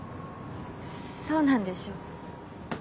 そうなんでしょ？